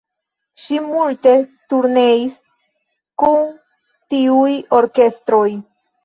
Ŝi multe turneis kun tiuj orkestroj.